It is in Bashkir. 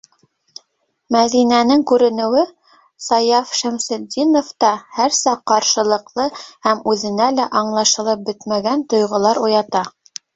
Мәҙинәнең күренеүе Саяф Шәмсетдиновта һәр саҡ ҡаршылыҡлы һәм үҙенә лә аңлашылып бөтмәгән тойғолар уята.